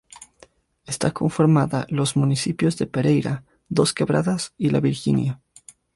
Está conformada los municipios de Pereira, Dosquebradas y La Virginia.